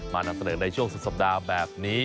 นำเสนอในช่วงสุดสัปดาห์แบบนี้